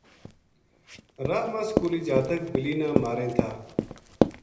راہ ما سکولی جاتک بلی نا ماریں تھا